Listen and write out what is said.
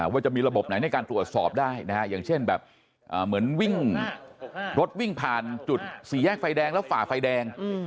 ว่าจะมีระบบไหนในการตรวจสอบได้นะฮะอย่างเช่นแบบเหมือนวิ่งรถวิ่งผ่านจุดสี่แยกไฟแดงแล้วฝ่าไฟแดง